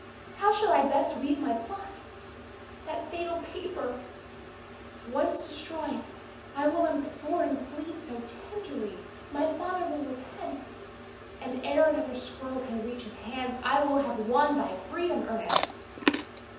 how shall I best weave my plot? That fatal paper, once destroyed, I will implore and plead so tenderly, my father will repent; and ere another scroll can reach his hands, I will have won thy freedom, Ernest!